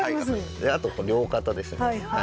あと両肩ですね。